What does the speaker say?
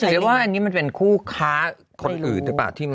หรือว่าอันนี้มันเป็นคู่ค้าคนอื่นหรือเปล่า